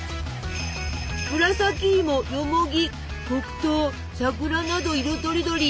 紫芋よもぎ黒糖さくらなど色とりどり！